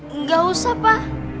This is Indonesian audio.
enggak usah pak